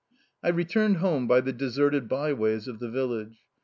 I returned home by the deserted byways of the village.